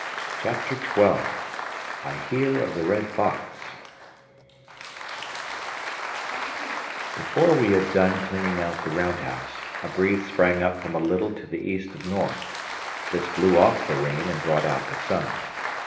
CHAPTER XII I HEAR OF THE "RED FOX" Before we had done cleaning out the round house, a breeze sprang up from a little to the east of north. This blew off the rain and brought out the sun.